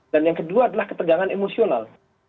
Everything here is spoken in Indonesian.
dan yang kedua adalah ketegangan emosional